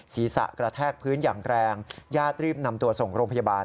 ศีรษะกระแทกพื้นอย่างแรงญาติรีบนำตัวส่งโรงพยาบาล